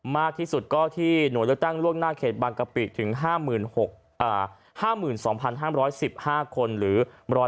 มากที่สุดก็ที่หน่วยเลือกตั้งล่วงหน้าเขตบางกะปิถึง๕๒๕๑๕คนหรือ๑๕